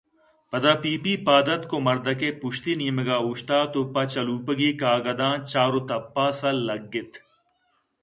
پدا پیپی پاد اتکءُمردکءِ پشتی نیمگءَ اوشتات ءُپہ چلوپگی کاگداں چارءُتپاس ءَ لگ اِت